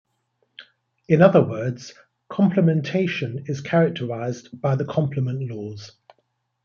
In other words, complementation is characterized by the complement laws.